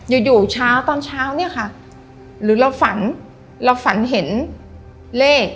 อยู่อยู่เช้าตอนเช้าเนี่ยค่ะหรือเราฝันเราฝันเห็นเลข